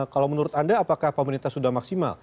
kalau menurut anda apakah pemerintah sudah maksimal